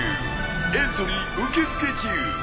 エントリー受け付け中。